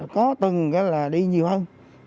có từng là đi nhiều hơn